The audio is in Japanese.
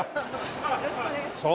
よろしくお願いします。